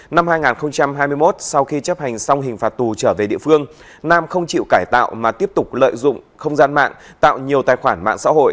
năm hai nghìn hai mươi một sau khi chấp hành xong hình phạt tù trở về địa phương nam không chịu cải tạo mà tiếp tục lợi dụng không gian mạng tạo nhiều tài khoản mạng xã hội